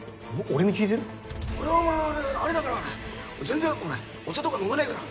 俺はお前あれだから全然お茶とか飲まないから。